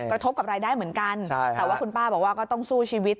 กระทบกับรายได้เหมือนกันแต่ว่าคุณป้าบอกว่าก็ต้องสู้ชีวิต